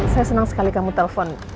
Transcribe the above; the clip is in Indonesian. saya senang sekali kamu telpon